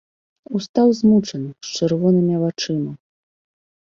Устаў змучаны, з чырвонымі вачыма.